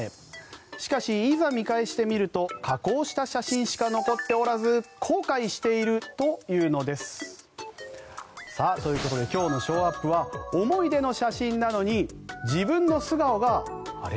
しかし、いざ見返してみると加工した写真しか残っておらず後悔しているというのです。ということで今日のショーアップは思い出の写真なのに自分の素顔があれ？